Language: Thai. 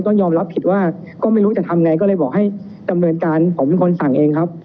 ต้องยอมรับผิดว่าก็ไม่รู้จะทำไงก็เลยบอกให้ดำเนินการผมเป็นคนสั่งเองครับ